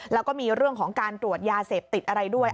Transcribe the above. แล้วก็มีเรื่องของการตรวจยาเสพติดอะไรด้วย